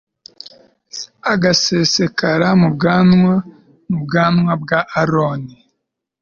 agasesekara mu bwanwa, mu bwanwa bwa aroni